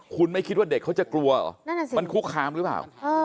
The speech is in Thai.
คุณไม่คิดว่าเด็กเขาจะกลัวมันคุกคามหรือเปล่า